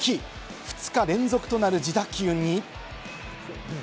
２日連続となる自打球に。